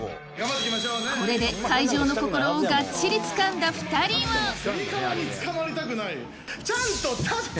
これで会場の心をがっちりつかんだ２人はちゃんと立って！